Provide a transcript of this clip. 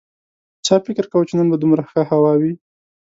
چا فکر کاوه چې نن به دومره ښه هوا وي